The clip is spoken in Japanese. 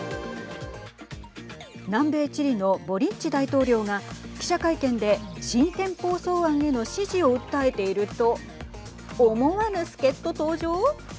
南米チリのボリッチ大統領が記者会見で新憲法草案への支持を訴えていると思わぬ助っと登場。